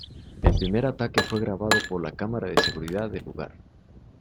El primer ataque fue grabado por la cámara de seguridad del lugar.